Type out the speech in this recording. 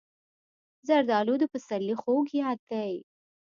زردالو د پسرلي خوږ یاد دی.